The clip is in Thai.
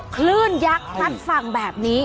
คลื่นยักษ์ทัดฝั่งแบบนี้